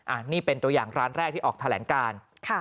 อันนี้เป็นตัวอย่างร้านแรกที่ออกแถลงการ